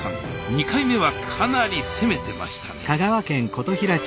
２回目はかなり攻めてましたね